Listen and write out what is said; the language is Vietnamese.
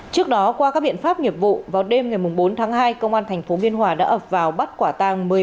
trước đó qua các biện pháp nghiệp vụ vào đêm ngày bốn tháng hai công an thành phố biên hòa đã ập vào bắt quả tăng